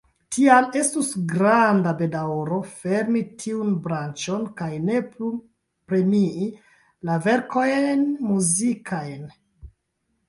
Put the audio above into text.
Tial estus granda bedaŭro fermi tiun branĉon kaj ne plu premii la verkojn muzikajn.